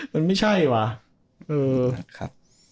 มันไม่ใช่วะ